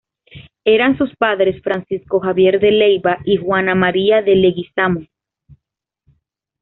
Eran sus padres Francisco Javier de Leyva y Juana María de Leguizamo.